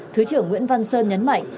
thứ trưởng nguyễn văn sơn nhấn mạnh